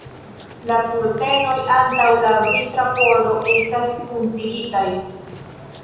La kurtenoj antaŭ la vitra pordo estas kuntiritaj.